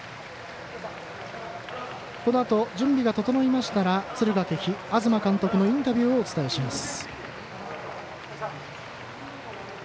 このあと準備が整いましたら敦賀気比、東監督のインタビューをお伝えします。